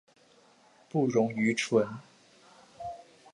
不溶于醇。